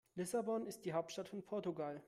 Lissabon ist die Hauptstadt von Portugal.